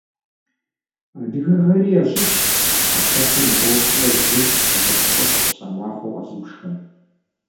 Адыгэхэри ящыщщ гъатхэпэм и тӏощӏрэ зыр илъэсыщӀэр къыщыса махуэу къэзыбжхэм.